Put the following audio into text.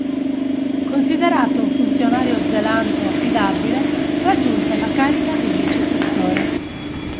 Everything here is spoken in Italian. Considerato un funzionario zelante e affidabile, raggiunse la carica di vice-questore.